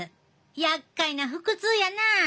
やっかいな腹痛やな。